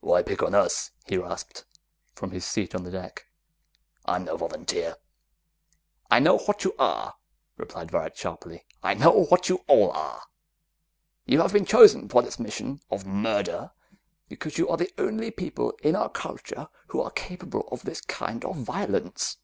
"Why pick on us?" he rasped from his seat on the deck. "I'm no volunteer!" "I know what you are," replied Varret sharply. "I know what you all are. You have been chosen for this mission of murder, because you are the only people in our culture who are capable of this kind of violence.